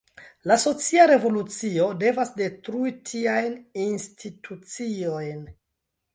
La socia revolucio devas detrui tiajn instituciojn.